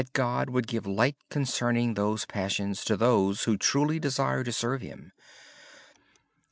God would give light concerning those passions to those who truly desire to serve Him.